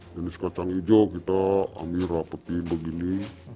jenis kacang hijau kita ambil rapetin begini